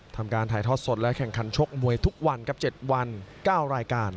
ทำการถ่ายทอดสดและแข่งขันชกมวยทุกวันครับ๗วัน๙รายการ